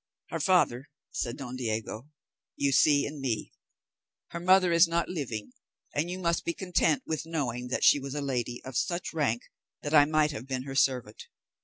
"Her father," said Don Diego, "you see in me; her mother is not living, and you must be content with knowing that she was a lady of such rank that I might have been her servant.